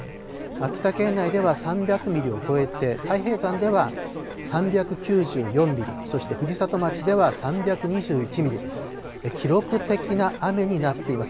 秋田県内では３００ミリを超えて太平山では３９４ミリ、そして藤里町では３２１ミリ、記録的な雨になっています。